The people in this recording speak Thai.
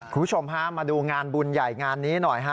คุณผู้ชมฮะมาดูงานบุญใหญ่งานนี้หน่อยฮะ